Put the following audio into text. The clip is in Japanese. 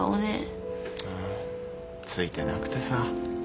ああついてなくてさ。